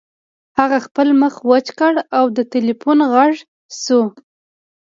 هغه خپل مخ وچ کړ او د ټیلیفون غږ شو